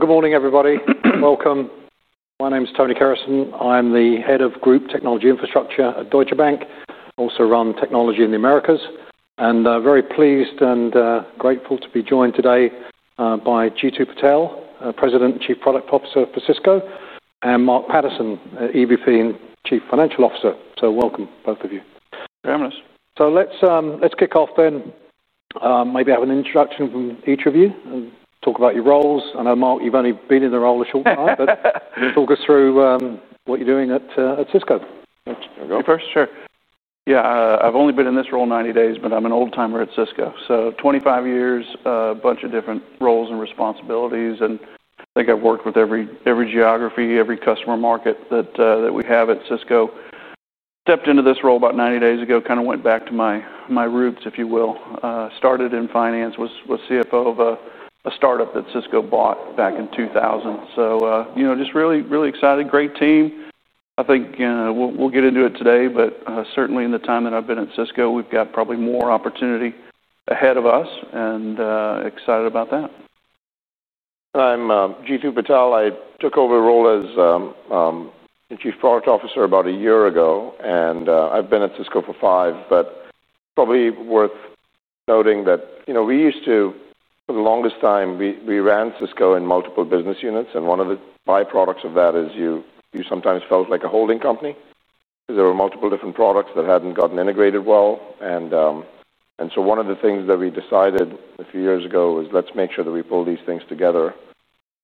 Good morning, everybody. Welcome. My name is Tony Kerrison. I'm the Head of Group Technology Infrastructure at Deutsche Bank. I also run technology in the Americas. I'm very pleased and grateful to be joined today by Jeetu Patel, President and Chief Product Officer for Cisco Systems, and Mark Patterson, EVP and Chief Financial Officer. Welcome, both of you. Thanks. Let's kick off then. Maybe have an introduction from each of you. Talk about your roles. I know, Mark, you've only been in the role a short time, but you can talk us through what you're doing at Cisco Systems. Sure. Yeah, I've only been in this role 90 days, but I'm an old-timer at Cisco Systems. 25 years, a bunch of different roles and responsibilities. I think I've worked with every geography, every customer market that we have at Cisco Systems. Stepped into this role about 90 days ago, kind of went back to my roots, if you will. Started in finance, was CFO of a startup that Cisco Systems bought back in 2000. Just really, really excited. Great team. I think we'll get into it today, but certainly in the time that I've been at Cisco Systems, we've got probably more opportunity ahead of us and excited about that. I'm Jeetu Patel. I took over the role as Chief Product Officer about a year ago, and I've been at Cisco for five, but probably worth noting that, you know, we used to, for the longest time, we ran Cisco in multiple business units, and one of the byproducts of that is you sometimes felt like a holding company because there were multiple different products that hadn't gotten integrated well. One of the things that we decided a few years ago was let's make sure that we pull these things together.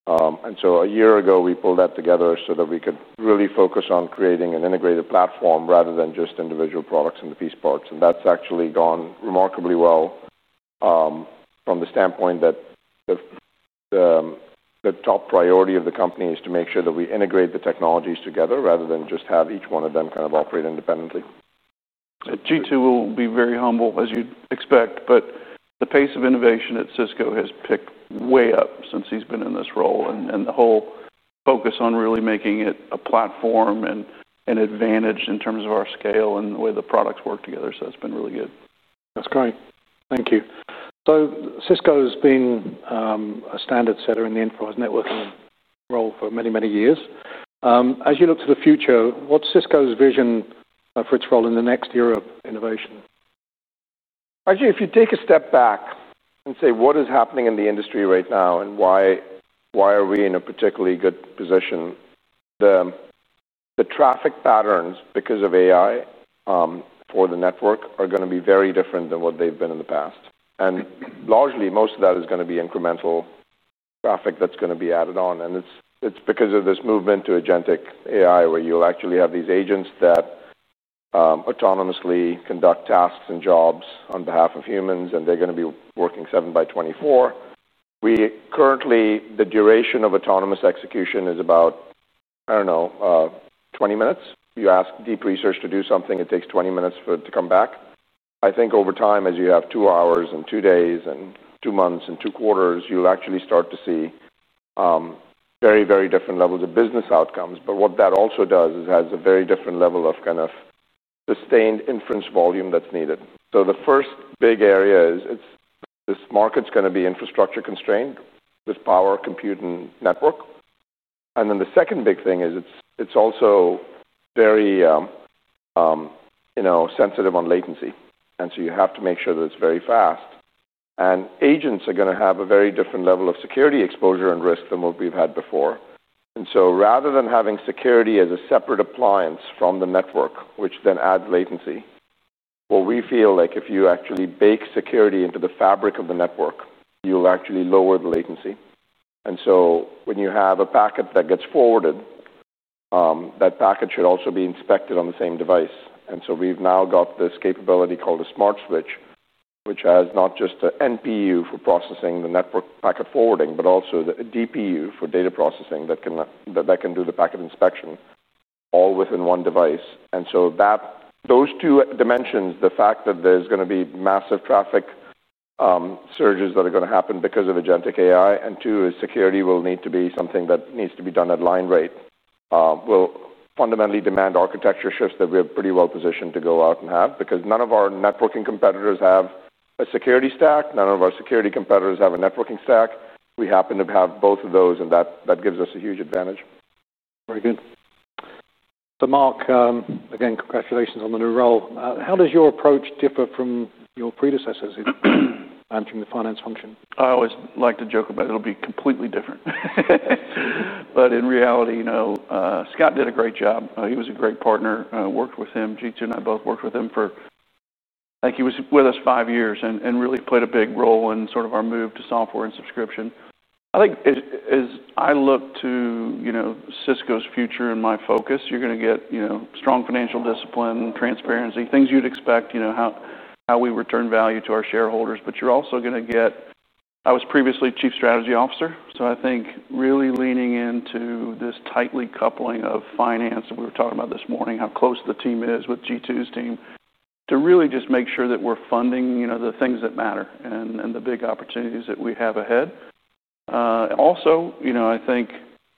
A year ago, we pulled that together so that we could really focus on creating an integrated platform rather than just individual products and the piece parts. That's actually gone remarkably well from the standpoint that the top priority of the company is to make sure that we integrate the technologies together rather than just have each one of them kind of operate independently. Jeetu will be very humble, as you'd expect, but the pace of innovation at Cisco Systems has picked way up since he's been in this role. The whole focus on really making it a platform and an advantage in terms of our scale and the way the products work together, it's been really good. That's great. Thank you. Cisco Systems has been a standard setter in the enterprise networking role for many, many years. As you look to the future, what's Cisco's vision for its role in the next year of innovation? Actually, if you take a step back and say what is happening in the industry right now and why are we in a particularly good position, the traffic patterns because of AI for the network are going to be very different than what they've been in the past. Largely, most of that is going to be incremental traffic that's going to be added on. It's because of this movement to agentic AI, where you'll actually have these agents that autonomously conduct tasks and jobs on behalf of humans, and they're going to be working 7 by 24. Currently, the duration of autonomous execution is about, I don't know, 20 minutes. You ask deep research to do something, it takes 20 minutes for it to come back. I think over time, as you have two hours and two days and two months and two quarters, you'll actually start to see very, very different levels of business outcomes. What that also does is it has a very different level of kind of sustained inference volume that's needed. The first big area is this market's going to be infrastructure constrained, this power computing network. The second big thing is it's also very sensitive on latency. You have to make sure that it's very fast. Agents are going to have a very different level of security exposure and risk than what we've had before. Rather than having security as a separate appliance from the network, which then adds latency, we feel like if you actually bake security into the fabric of the network, you'll actually lower the latency. When you have a packet that gets forwarded, that packet should also be inspected on the same device. We've now got this capability called a smart switch, which has not just an NPU for processing the network packet forwarding, but also a DPU for data processing that can do the packet inspection all within one device. Those two dimensions, the fact that there's going to be massive traffic surges that are going to happen because of agentic AI, and two, is security will need to be something that needs to be done at line rate, will fundamentally demand architecture shifts that we're pretty well positioned to go out and have because none of our networking competitors have a security stack. None of our security competitors have a networking stack. We happen to have both of those, and that gives us a huge advantage. Very good. Mark, again, congratulations on the new role. How does your approach differ from your predecessors in managing the finance function? I always like to joke about it'll be completely different. In reality, you know, Scott did a great job. He was a great partner. I worked with him. Jeetu and I both worked with him for, I think he was with us five years and really played a big role in sort of our move to software and subscription. I think as I look to, you know, Cisco Systems' future and my focus, you're going to get, you know, strong financial discipline, transparency, things you'd expect, you know, how we return value to our shareholders. You're also going to get, I was previously Chief Strategy Officer. I think really leaning into this tightly coupling of finance that we were talking about this morning, how close the team is with Jeetu's team to really just make sure that we're funding, you know, the things that matter and the big opportunities that we have ahead. Also, I think,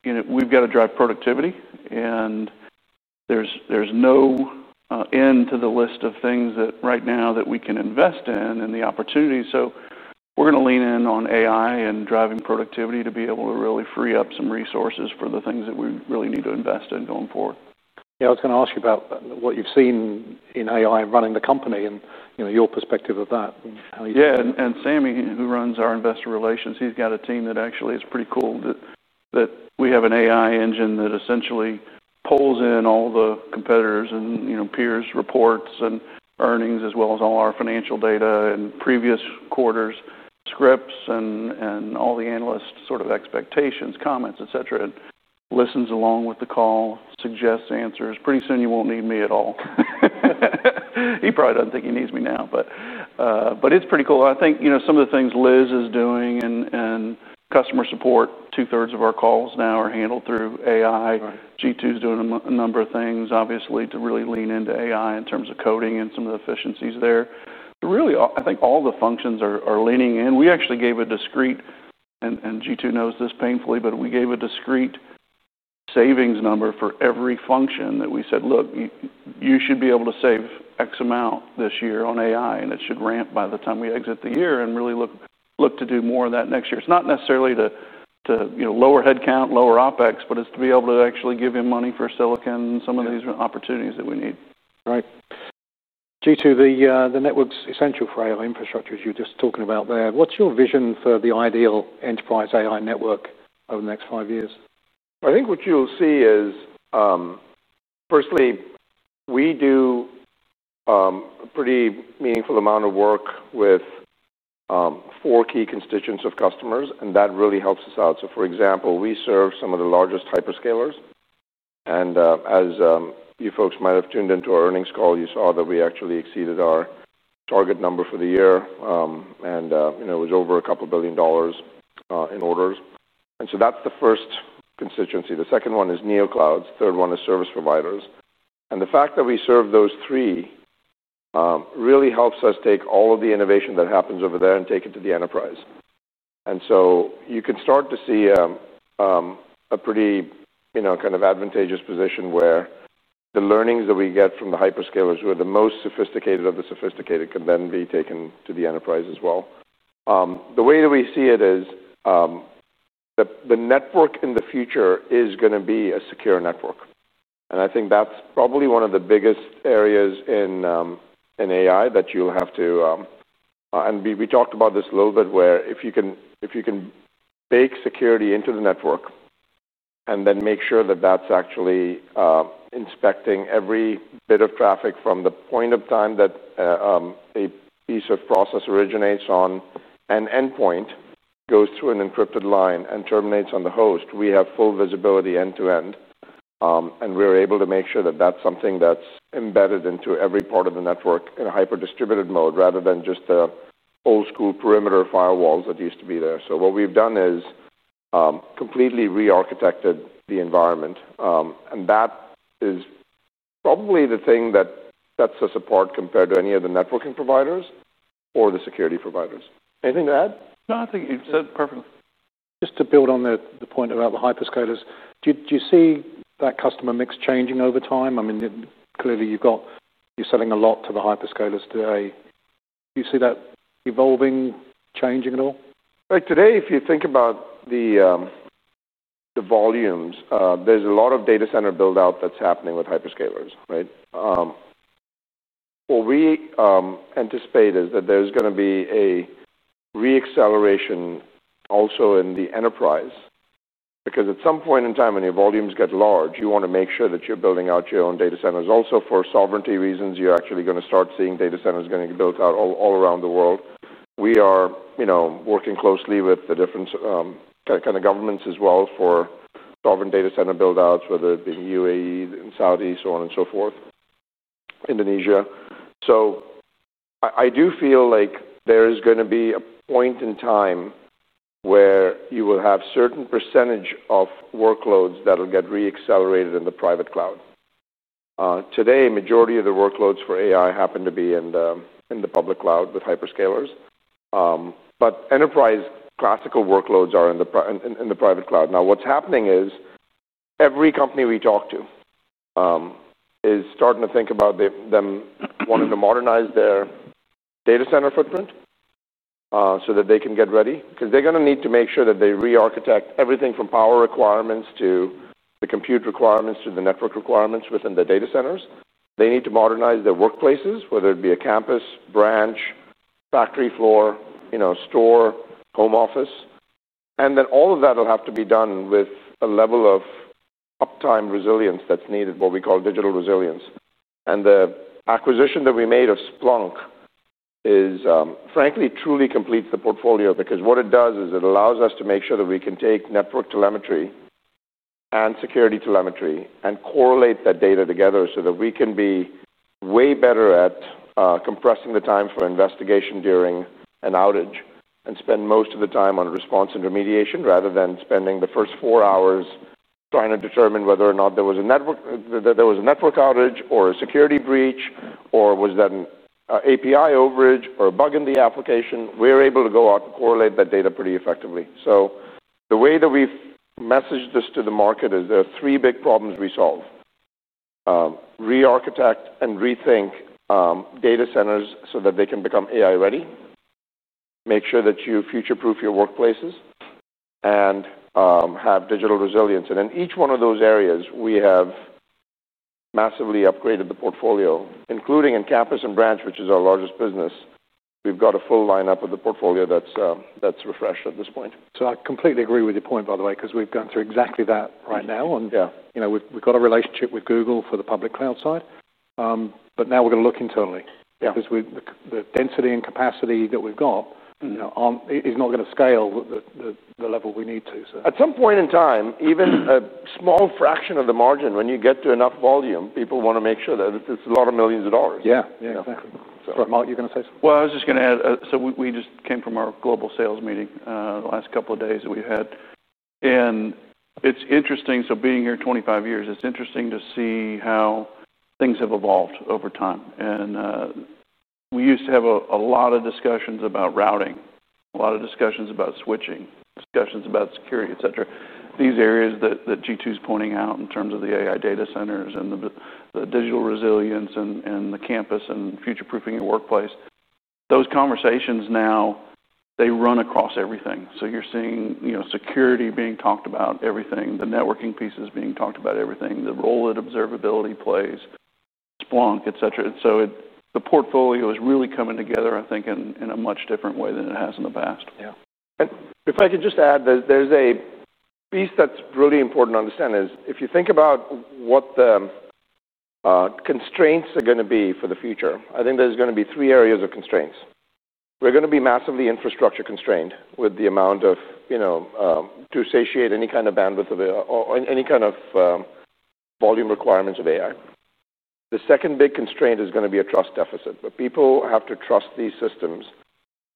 you know, we've got to drive productivity. There's no end to the list of things that right now that we can invest in and the opportunities. We're going to lean in on AI and driving productivity to be able to really free up some resources for the things that we really need to invest in going forward. Yeah, I was going to ask you about what you've seen in AI and running the company, and your perspective of that. Yeah, and Sami, who runs our investor relations, he's got a team that actually is pretty cool that we have an AI engine that essentially pulls in all the competitors' and, you know, peers' reports and earnings, as well as all our financial data and previous quarters, scripts, and all the analysts' sort of expectations, comments, etc., and listens along with the call, suggests answers. Pretty soon you won't need me at all. He probably doesn't think he needs me now, but it's pretty cool. I think, you know, some of the things Liz is doing in customer support, two-thirds of our calls now are handled through AI. Jeetu's doing a number of things, obviously, to really lean into AI in terms of coding and some of the efficiencies there. I think all the functions are leaning in. We actually gave a discrete, and Jeetu knows this painfully, but we gave a discrete savings number for every function that we said, look, you should be able to save X amount this year on AI, and it should ramp by the time we exit the year and really look to do more of that next year. It's not necessarily to lower headcount, lower OpEx, but it's to be able to actually give him money for silicon and some of these opportunities that we need. Right. Jeetu, the network's essential for AI infrastructure as you were just talking about there. What's your vision for the ideal enterprise AI network over the next five years? I think what you'll see is, firstly, we do a pretty meaningful amount of work with four key constituents of customers, and that really helps us out. For example, we serve some of the largest hyperscalers. As you folks might have tuned into our earnings call, you saw that we actually exceeded our target number for the year, and it was over a couple billion dollars in orders. That's the first constituency. The second one is NeoClouds. The third one is service providers. The fact that we serve those three really helps us take all of the innovation that happens over there and take it to the enterprise. You can start to see a pretty, you know, kind of advantageous position where the learnings that we get from the hyperscalers, who are the most sophisticated of the sophisticated, can then be taken to the enterprise as well. The way that we see it is the network in the future is going to be a secure network. I think that's probably one of the biggest areas in AI that you'll have to, and we talked about this a little bit, where if you can bake security into the network and then make sure that that's actually inspecting every bit of traffic from the point of time that a piece of process originates on an endpoint, goes through an encrypted line, and terminates on the host, we have full visibility end-to-end. We're able to make sure that that's something that's embedded into every part of the network in a hyper-distributed mode rather than just the old-school perimeter firewalls that used to be there. What we've done is completely re-architected the environment. That is probably the thing that sets us apart compared to any of the networking providers or the security providers. Anything to add? No, I think you've said it perfectly. Just to build on the point about the hyperscalers, do you see that customer mix changing over time? I mean, clearly you've got, you're selling a lot to the hyperscalers today. Do you see that evolving, changing at all? Right. Today, if you think about the volumes, there's a lot of data center build-out that's happening with hyperscalers, right? What we anticipate is that there's going to be a re-acceleration also in the enterprise because at some point in time, when your volumes get large, you want to make sure that you're building out your own data centers. Also, for sovereignty reasons, you're actually going to start seeing data centers getting built out all around the world. We are working closely with the different kind of governments as well for sovereign data center build-outs, whether it be in UAE, in Saudi, so on and so forth, Indonesia. I do feel like there is going to be a point in time where you will have a certain percentage of workloads that will get re-accelerated in the private cloud. Today, the majority of the workloads for AI happen to be in the public cloud with hyperscalers. Enterprise classical workloads are in the private cloud. Now, what's happening is every company we talk to is starting to think about them wanting to modernize their data center footprint so that they can get ready because they're going to need to make sure that they re-architect everything from power requirements to the compute requirements to the network requirements within the data centers. They need to modernize their workplaces, whether it be a campus, branch, factory floor, store, home office. All of that will have to be done with a level of uptime resilience that's needed, what we call digital resilience. The acquisition that we made of Splunk is, frankly, truly completes the portfolio because what it does is it allows us to make sure that we can take network telemetry and security telemetry and correlate that data together so that we can be way better at compressing the time for investigation during an outage and spend most of the time on response and remediation rather than spending the first four hours trying to determine whether or not there was a network outage or a security breach or was that an API overage or a bug in the application. We're able to go out and correlate that data pretty effectively. The way that we've messaged this to the market is there are three big problems we solve: re-architect and rethink data centers so that they can become AI-ready, make sure that you future-proof your workplaces, and have digital resilience. In each one of those areas, we have massively upgraded the portfolio, including in campus and branch, which is our largest business. We've got a full lineup of the portfolio that's refreshed at this point. I completely agree with your point, by the way, because we've gone through exactly that right now. We've got a relationship with Google for the public cloud side. Now we're going to look internally because the density and capacity that we've got is not going to scale the level we need to. At some point in time, even a small fraction of the margin, when you get to enough volume, people want to make sure that it's a lot of millions of dollars. Yeah, yeah, exactly. Mark, you were going to say something? I was just going to add, we just came from our global sales meeting the last couple of days that we've had. It's interesting, being here 25 years, it's interesting to see how things have evolved over time. We used to have a lot of discussions about routing, a lot of discussions about switching, discussions about security, et cetera. These areas that Jeetu's pointing out in terms of the AI data centers and the digital resilience and the campus and future-proofing your workplace, those conversations now, they run across everything. You're seeing security being talked about in everything, the networking pieces being talked about in everything, the role that observability plays, Splunk, et cetera. The portfolio is really coming together, I think, in a much different way than it has in the past. Yeah. If I could just add, there's a piece that's really important to understand. If you think about what the constraints are going to be for the future, I think there's going to be three areas of constraints. We're going to be massively infrastructure constrained with the amount of, you know, to satiate any kind of bandwidth of any kind of volume requirements of AI. The second big constraint is going to be a trust deficit. People have to trust these systems,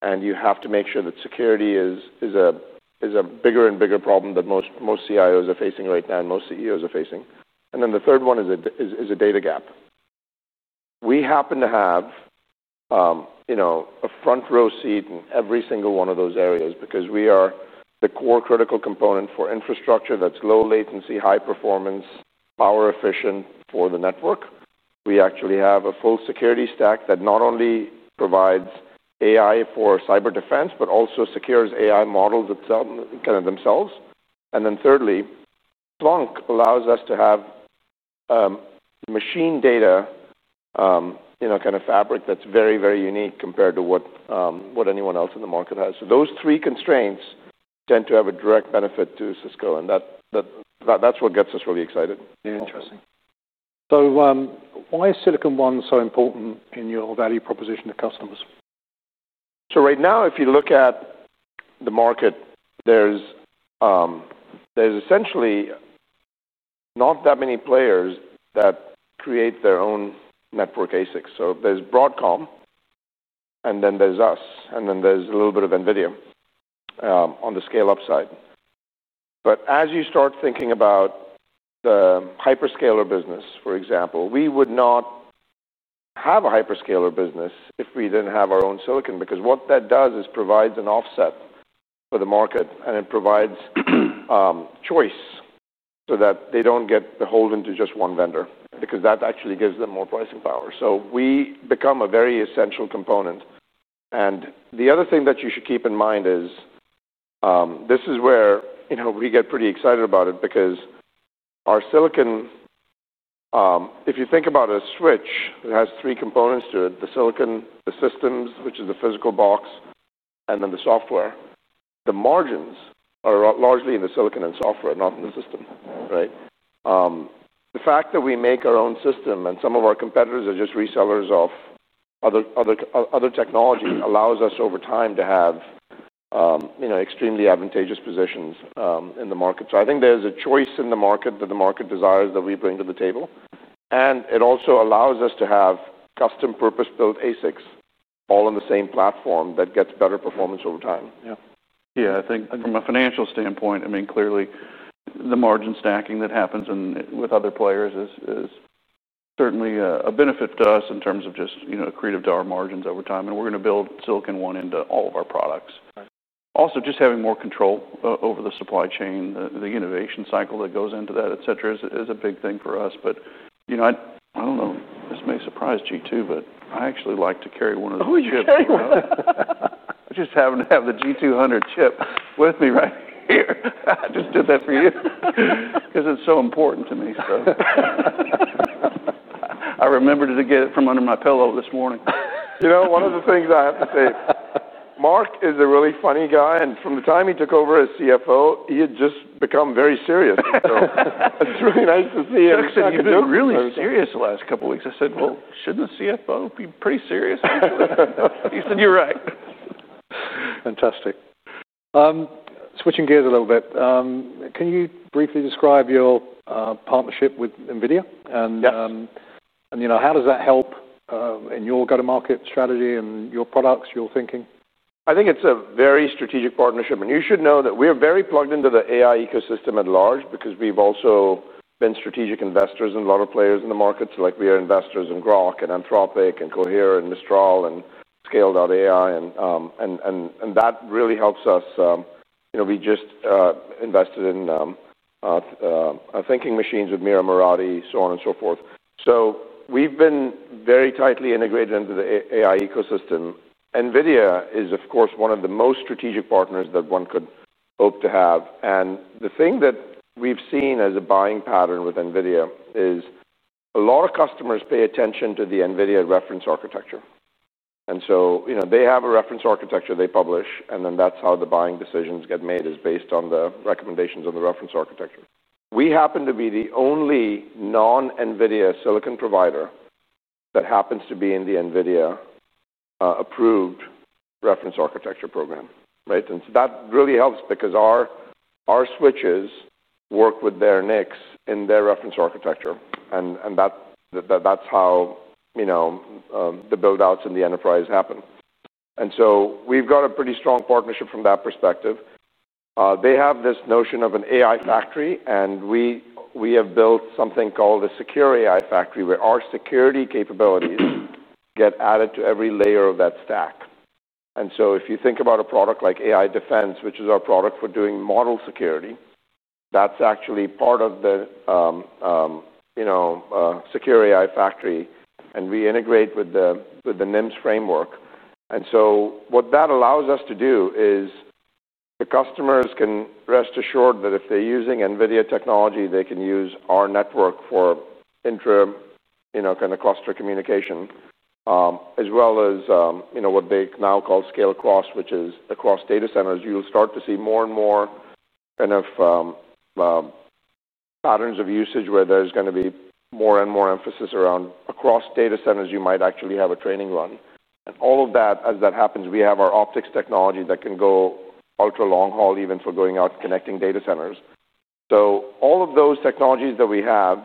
and you have to make sure that security is a bigger and bigger problem that most CIOs are facing right now and most CEOs are facing. The third one is a data gap. We happen to have, you know, a front row seat in every single one of those areas because we are the core critical component for infrastructure that's low latency, high performance, power efficient for the network. We actually have a full security stack that not only provides AI for cyber defense, but also secures AI models themselves. Thirdly, Splunk allows us to have machine data, you know, kind of fabric that's very, very unique compared to what anyone else in the market has. Those three constraints tend to have a direct benefit to Cisco, and that's what gets us really excited. Interesting. Why is Silicon WAN so important in your value proposition to customers? Right now, if you look at the market, there's essentially not that many players that create their own network ASICs. There's Broadcom, and then there's us, and then there's a little bit of NVIDIA on the scale-up side. As you start thinking about the hyperscaler business, for example, we would not have a hyperscaler business if we didn't have our own silicon because what that does is provide an offset for the market, and it provides choice so that they don't get beholden to just one vendor because that actually gives them more pricing power. We become a very essential component. The other thing that you should keep in mind is this is where, you know, we get pretty excited about it because our silicon, if you think about a switch that has three components to it, the silicon, the systems, which is the physical box, and then the software, the margins are largely in the silicon and software, not in the system, right? The fact that we make our own system and some of our competitors are just resellers of other technology allows us over time to have, you know, extremely advantageous positions in the market. I think there's a choice in the market that the market desires that we bring to the table. It also allows us to have custom purpose-built ASICs all on the same platform that gets better performance over time. Yeah. Yeah, I think from a financial standpoint, I mean, clearly, the margin stacking that happens with other players is certainly a benefit to us in terms of just, you know, accretive to our margins over time. We're going to build Silicon WAN into all of our products. Also, just having more control over the supply chain, the innovation cycle that goes into that, etc., is a big thing for us. You know, I don't know, this may surprise Jeetu, but I actually like to carry one of the chips. I just happen to have the G200 chip with me right here. I just did that for you because it's so important to me. I remembered to get it from under my pillow this morning. You know, one of the things I have to say is Mark is a really funny guy. From the time he took over as CFO, he had just become very serious. It's really nice to see him. He said he was really serious the last couple of weeks. I said, shouldn't the CFO be pretty serious? He said, you're right. Fantastic. Switching gears a little bit, can you briefly describe your partnership with NVIDIA? How does that help in your go-to-market strategy and your products, your thinking? I think it's a very strategic partnership. You should know that we're very plugged into the AI ecosystem at large because we've also been strategic investors in a lot of players in the markets. Like we are investors in Groq and Anthropic and Cohere and Mistral and Scale.ai. That really helps us. We just invested in our thinking machines with Mira Murati, so on and so forth. We've been very tightly integrated into the AI ecosystem. NVIDIA is, of course, one of the most strategic partners that one could hope to have. The thing that we've seen as a buying pattern with NVIDIA is a lot of customers pay attention to the NVIDIA reference architecture. They have a reference architecture they publish, and that's how the buying decisions get made, based on the recommendations on the reference architecture. We happen to be the only non-NVIDIA silicon provider that happens to be in the NVIDIA approved reference architecture program, right? That really helps because our switches work with their NICs in their reference architecture. That's how the build-outs in the enterprise happen. We've got a pretty strong partnership from that perspective. They have this notion of an AI factory, and we have built something called a secure AI factory where our security capabilities get added to every layer of that stack. If you think about a product like AI Defense, which is our product for doing model security, that's actually part of the secure AI factory and we integrate with the NIMS framework. What that allows us to do is the customers can rest assured that if they're using NVIDIA technology, they can use our network for interim, kind of cluster communication, as well as what they now call scale across, which is across data centers. You'll start to see more and more patterns of usage where there's going to be more and more emphasis around across data centers. You might actually have a training run. As that happens, we have our optics technology that can go ultra long haul even for going out and connecting data centers. All of those technologies that we have,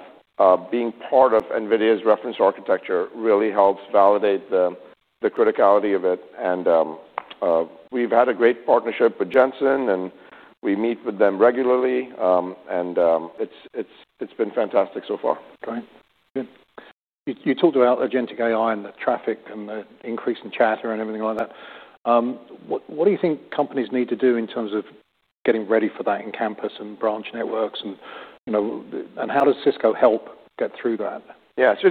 being part of NVIDIA's reference architecture, really helps validate the criticality of it. We've had a great partnership with Jensen, and we meet with them regularly. It's been fantastic so far. Great. Good. You talked about agentic AI and the traffic and the increase in chatter and everything like that. What do you think companies need to do in terms of getting ready for that in campus and branch networks? How does Cisco Systems help get through that? Yeah, so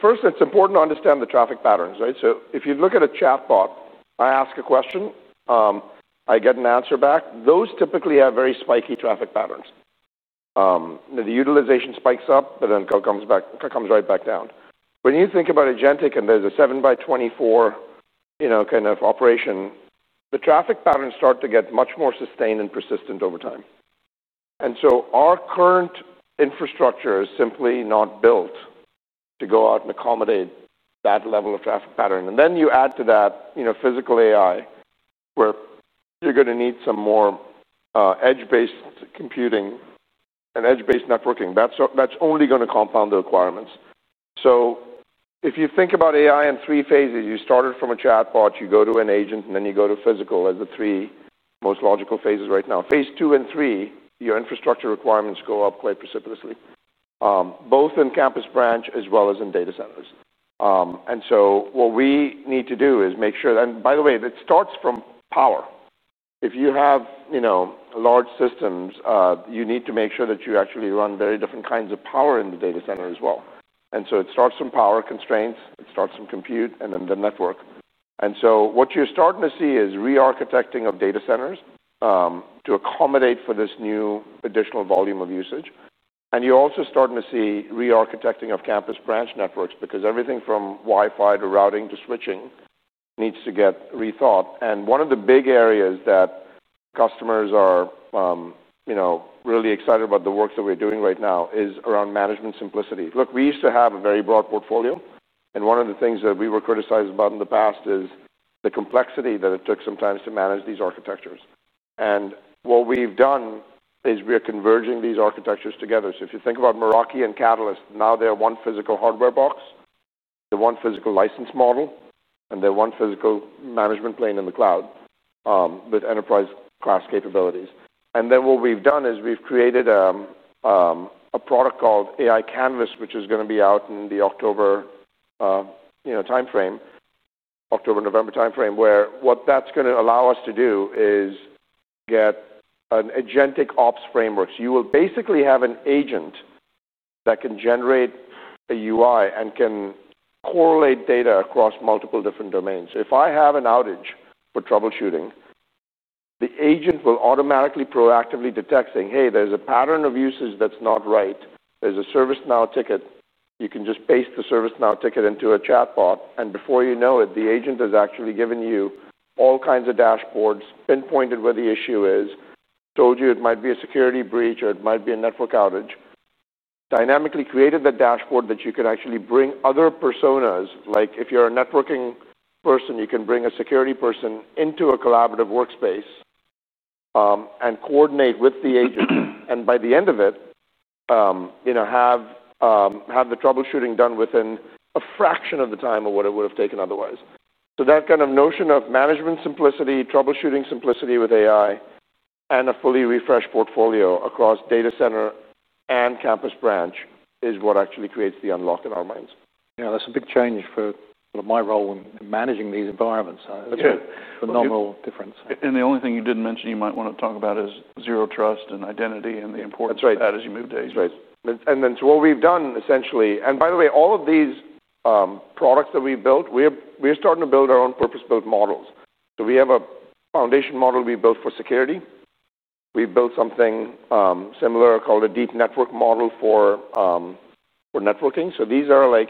first, it's important to understand the traffic patterns, right? If you look at a chatbot, I ask a question, I get an answer back. Those typically have very spiky traffic patterns. The utilization spikes up, but then it comes right back down. When you think about agentic and there's a 7 by 24, you know, kind of operation, the traffic patterns start to get much more sustained and persistent over time. Our current infrastructure is simply not built to go out and accommodate that level of traffic pattern. You add to that, you know, physical AI, where you're going to need some more edge-based computing and edge-based networking. That's only going to compound the requirements. If you think about AI in three phases, you started from a chatbot, you go to an agent, and then you go to physical as the three most logical phases right now. Phase II and phase III, your infrastructure requirements go up quite precipitously, both in campus branch as well as in data centers. What we need to do is make sure that, and by the way, it starts from power. If you have, you know, large systems, you need to make sure that you actually run very different kinds of power in the data center as well. It starts from power constraints, it starts from compute, and then the network. What you're starting to see is re-architecting of data centers to accommodate for this new additional volume of usage. You're also starting to see re-architecting of campus branch networks because everything from Wi-Fi to routing to switching needs to get rethought. One of the big areas that customers are, you know, really excited about the work that we're doing right now is around management simplicity. Look, we used to have a very broad portfolio. One of the things that we were criticized about in the past is the complexity that it took sometimes to manage these architectures. What we've done is we're converging these architectures together. If you think about Meraki and Catalyst, now they're one physical hardware box, the one physical license model, and they're one physical management plane in the cloud with enterprise class capabilities. What we've done is we've created a product called Cisco AI Canvas, which is going to be out in the October, you know, timeframe, October, November timeframe, where what that's going to allow us to do is get an agentic ops framework. You will basically have an agent that can generate a UI and can correlate data across multiple different domains. If I have an outage for troubleshooting, the agent will automatically proactively detect, saying, hey, there's a pattern of usage that's not right. There's a ServiceNow ticket. You can just paste the ServiceNow ticket into a chatbot, and before you know it, the agent has actually given you all kinds of dashboards, pinpointed where the issue is, told you it might be a security breach or it might be a network outage, dynamically created that dashboard that you can actually bring other personas, like if you're a networking person, you can bring a security person into a collaborative workspace and coordinate with the agent. By the end of it, you have the troubleshooting done within a fraction of the time of what it would have taken otherwise. That kind of notion of management simplicity, troubleshooting simplicity with AI, and a fully refreshed portfolio across data center and campus branch is what actually creates the unlock in our minds. Yeah, that's a big change for my role in managing these environments. It's a phenomenal difference. The only thing you didn't mention you might want to talk about is zero trust and identity, and the importance of that as you move days. That's right. What we've done essentially, and by the way, all of these products that we've built, we're starting to build our own purpose-built models. We have a foundation model we built for security. We've built something similar called a deep network model for networking. These are like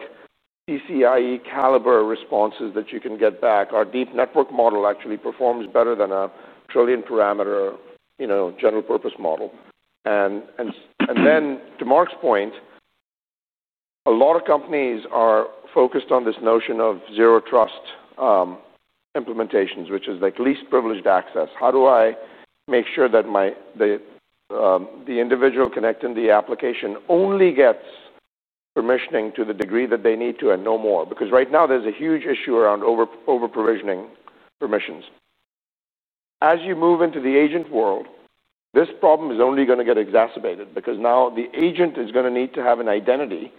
PCIe caliber responses that you can get back. Our deep network model actually performs better than a trillion parameter, you know, general purpose model. To Mark's point, a lot of companies are focused on this notion of zero trust implementations, which is like least privileged access. How do I make sure that the individual connecting the application only gets permissioning to the degree that they need to and no more? Right now there's a huge issue around over-provisioning permissions. As you move into the agent world, this problem is only going to get exacerbated because now the agent is going to need to have an identity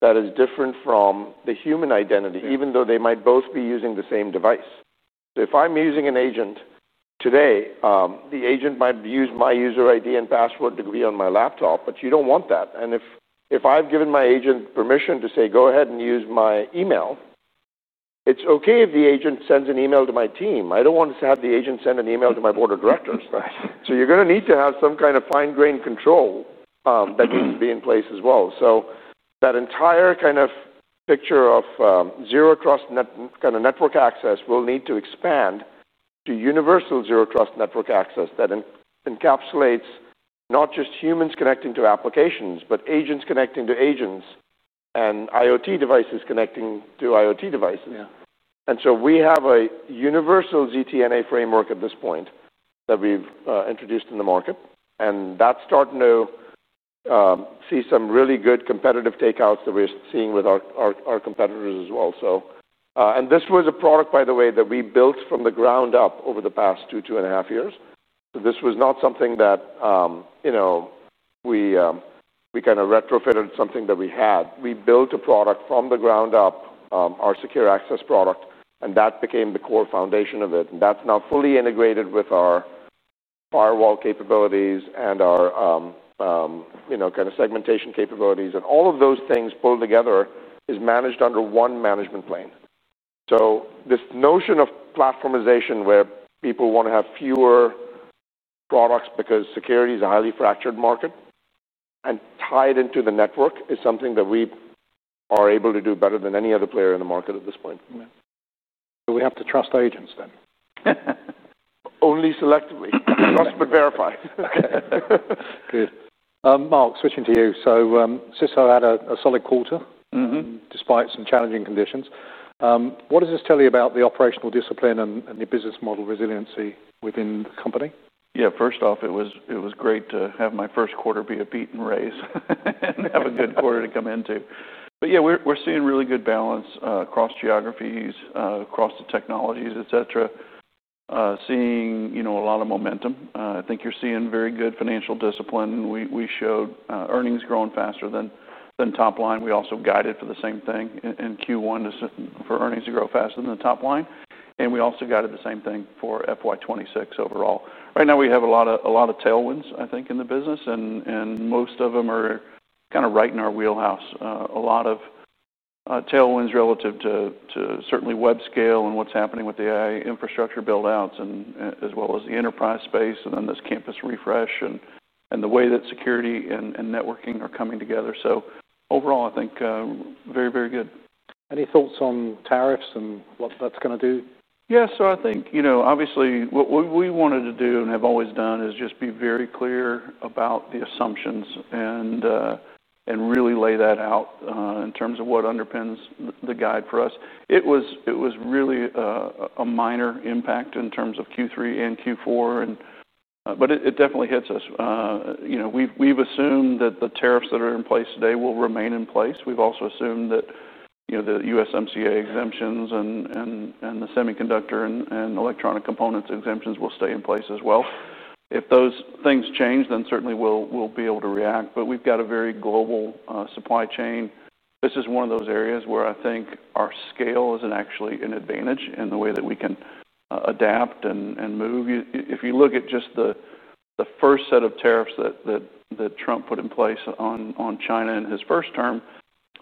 that is different from the human identity, even though they might both be using the same device. If I'm using an agent today, the agent might use my user ID and password to be on my laptop, but you don't want that. If I've given my agent permission to say, go ahead and use my email, it's okay if the agent sends an email to my team. I don't want to have the agent send an email to my board of directors. You're going to need to have some kind of fine-grained control that needs to be in place as well. That entire kind of picture of zero trust kind of network access will need to expand to universal zero trust network access that encapsulates not just humans connecting to applications, but agents connecting to agents and IoT devices connecting to IoT devices. We have a universal ZTNA framework at this point that we've introduced in the market. That's starting to see some really good competitive takeouts that we're seeing with our competitors as well. This was a product, by the way, that we built from the ground up over the past two, two and a half years. This was not something that, you know, we kind of retrofitted something that we had. We built a product from the ground up, our secure access product, and that became the core foundation of it. That's now fully integrated with our firewall capabilities and our, you know, kind of segmentation capabilities. All of those things pulled together are managed under one management plane. This notion of platformization where people want to have fewer products because security is a highly fractured market and tied into the network is something that we are able to do better than any other player in the market at this point. We have to trust our agents then. Only selectively. Trust but verify. Okay. Good. Mark, switching to you. Cisco Systems had a solid quarter despite some challenging conditions. What does this tell you about the operational discipline and your business model resiliency within the company? Yeah, first off, it was great to have my first quarter be a beaten race and have a good quarter to come into. We're seeing really good balance across geographies, across the technologies, et cetera, seeing a lot of momentum. I think you're seeing very good financial discipline. We showed earnings growing faster than top line. We also guided for the same thing in Q1 for earnings to grow faster than the top line. We also guided the same thing for FY 2026 overall. Right now, we have a lot of tailwinds, I think, in the business. Most of them are kind of right in our wheelhouse. A lot of tailwinds relative to certainly web scale and what's happening with the AI infrastructure build-outs as well as the enterprise space. This campus refresh and the way that security and networking are coming together. Overall, I think very, very good. Any thoughts on tariffs and what that's going to do? Yeah, so I think, you know, obviously what we wanted to do and have always done is just be very clear about the assumptions and really lay that out in terms of what underpins the guide for us. It was really a minor impact in terms of Q3 and Q4. It definitely hits us. You know, we've assumed that the tariffs that are in place today will remain in place. We've also assumed that, you know, the USMCA exemptions and the semiconductor and electronic components exemptions will stay in place as well. If those things change, then certainly we'll be able to react. We've got a very global supply chain. This is one of those areas where I think our scale is actually an advantage in the way that we can adapt and move. If you look at just the first set of tariffs that Trump put in place on China in his first term,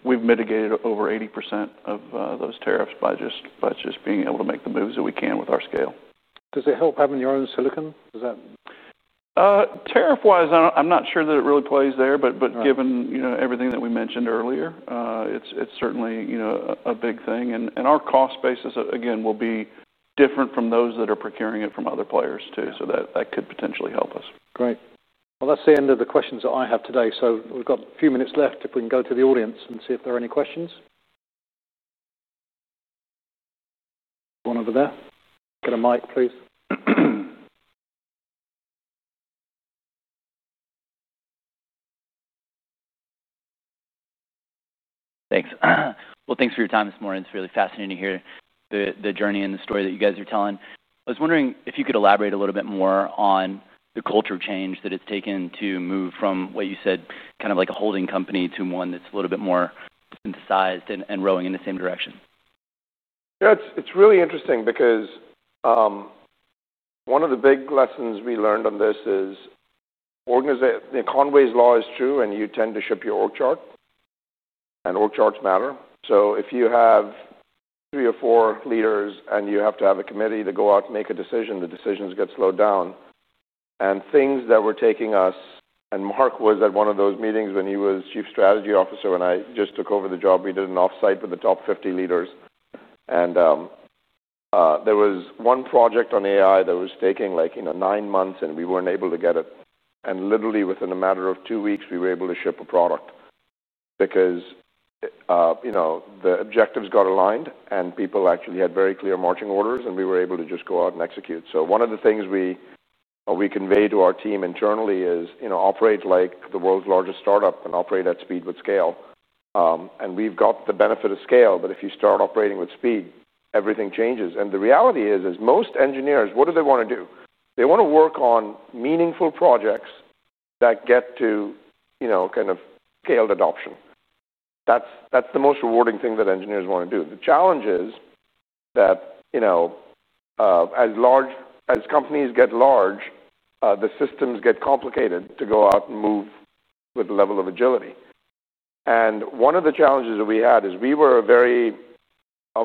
we've mitigated over 80% of those tariffs by just being able to make the moves that we can with our scale. Does it help having your own silicon? Tariff-wise, I'm not sure that it really plays there, but given everything that we mentioned earlier, it's certainly a big thing. Our cost basis, again, will be different from those that are procuring it from other players too. That could potentially help us. Great. That's the end of the questions that I have today. We've got a few minutes left if we can go to the audience and see if there are any questions. One over there. Get a mic, please. Thanks for your time this morning. It's really fascinating to hear the journey and the story that you guys are telling. I was wondering if you could elaborate a little bit more on the culture change that it's taken to move from what you said, kind of like a holding company to one that's a little bit more incisive and rowing in the same direction. Yeah, it's really interesting because one of the big lessons we learned on this is that Conway's law is true, and you tend to ship your org chart. Org charts matter. If you have three or four leaders and you have to have a committee to go out and make a decision, the decisions get slowed down. Things that were taking us, and Mark was at one of those meetings when he was Chief Strategy Officer and I just took over the job, we did an offsite with the top 50 leaders. There was one project on AI that was taking like, you know, nine months and we weren't able to get it. Literally within a matter of two weeks, we were able to ship a product because the objectives got aligned and people actually had very clear marching orders and we were able to just go out and execute. One of the things we convey to our team internally is, you know, operate like the world's largest startup and operate at speed with scale. We've got the benefit of scale, but if you start operating with speed, everything changes. The reality is, is most engineers, what do they want to do? They want to work on meaningful projects that get to, you know, kind of scaled adoption. That's the most rewarding thing that engineers want to do. The challenge is that as companies get large, the systems get complicated to go out and move with the level of agility. One of the challenges that we had is we were a very,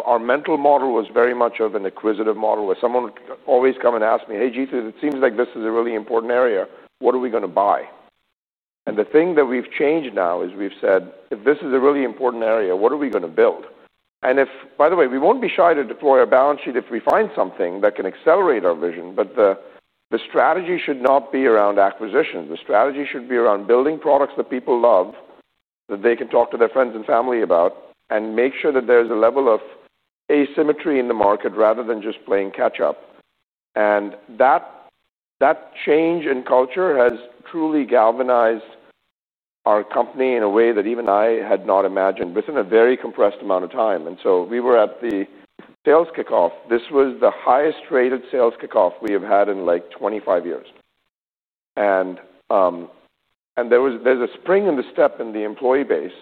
our mental model was very much of an acquisitive model where someone would always come and ask me, "Hey Jeetu, it seems like this is a really important area. What are we going to buy?" The thing that we've changed now is we've said, "If this is a really important area, what are we going to build?" If, by the way, we won't be shy to deploy a balance sheet if we find something that can accelerate our vision, but the strategy should not be around acquisition. The strategy should be around building products that people love, that they can talk to their friends and family about, and make sure that there's a level of asymmetry in the market rather than just playing catch-up. That change in culture has truly galvanized our company in a way that even I had not imagined within a very compressed amount of time. We were at the sales kickoff. This was the highest rated sales kickoff we have had in like 25 years. There is a spring in the step in the employee base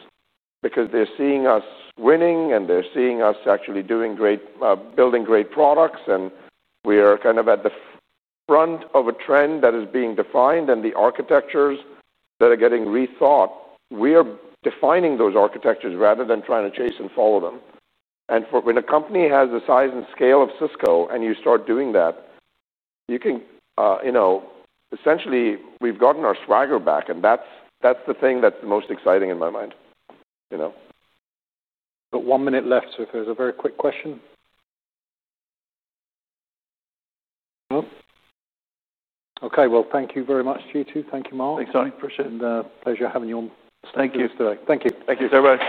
because they're seeing us winning and they're seeing us actually doing great, building great products. We are kind of at the front of a trend that is being defined and the architectures that are getting rethought. We are defining those architectures rather than trying to chase and follow them. When a company has the size and scale of Cisco Systems and you start doing that, you can, you know, essentially we've gotten our swagger back. That's the thing that's the most exciting in my mind. Got one minute left, so if there's a very quick question. Thank you very much, Jeetu. Thank you, Mark. Thanks, Tom. I appreciate the pleasure of having you on stage with us today. Thank you. Thank you, sir.